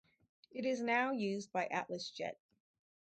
It is now used by Atlasjet.